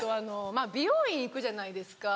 美容院行くじゃないですか